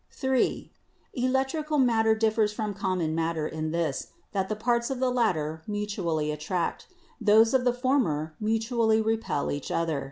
"(3) Electrical matter differs from common matter in this, that the parts of the latter mutually attract, those of the former mutually repel each other.